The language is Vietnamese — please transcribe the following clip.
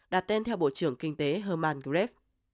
đặt tên theo bộ trưởng kinh tế herman gref